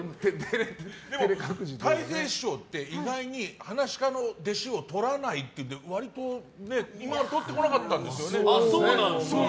たい平師匠って意外にはなし家の弟子をとらないって割と、今までとってこなかったんですよね。